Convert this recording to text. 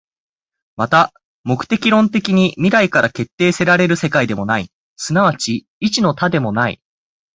また目的論的に未来から決定せられる世界でもない、即ち一の多でもない。